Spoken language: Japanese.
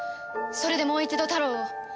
それでもう一度タロウを。